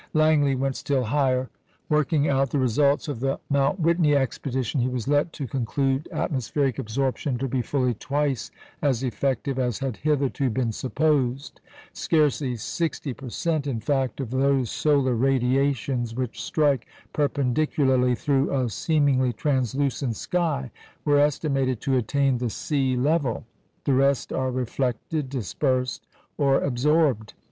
Langley went higher still. Working out the results of the Mount Whitney expedition, he was led to conclude atmospheric absorption to be fully twice as effective as had hitherto been supposed. Scarcely 60 per cent., in fact, of those solar radiations which strike perpendicularly through a seemingly translucent sky, were estimated to attain the sea level. The rest are reflected, dispersed, or absorbed.